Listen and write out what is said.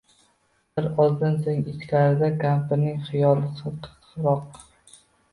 Bir ozdan soʼng ichkaridan kampirning xiyol xirqiroq